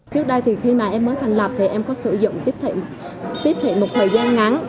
trước đây thì khi mà em mới thành lập thì em có sử dụng tiếp thị một thời gian ngày